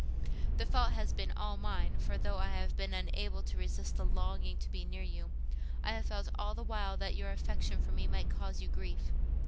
The fault has all been mine, for though I have been unable to resist the longing to be near you, I have felt all the while that your affection for me might cause you grief.